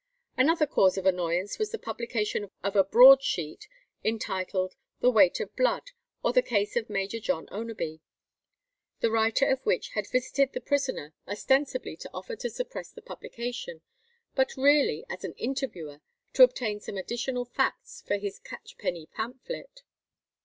Another cause of annoyance was the publication of a broad sheet, entitled "The Weight of Blood, or the Case of Major John Oneby," the writer of which had visited the prisoner, ostensibly to offer to suppress the publication, but really as an "interviewer" to obtain some additional facts for his catchpenny pamphlet.